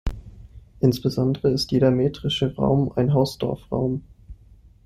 Insbesondere ist jeder metrische Raum ein Hausdorff-Raum.